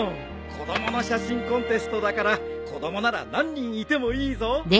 子供の写真コンテストだから子供なら何人いてもいいぞ！